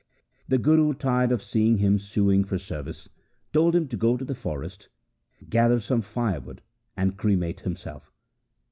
The Guru, tired of seeing him suing for service, told him to go to the forest, gather some firewood, and cremate himself.